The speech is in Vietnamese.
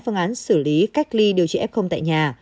phương án xử lý cách ly điều trị f tại nhà